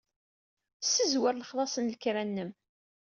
Ssezwer lexlaṣ n lekra-nnem.